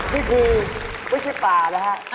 นี่คือไม่ใช่ปลานะครับ